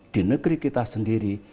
di negeri kita sendiri